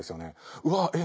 うわえっ！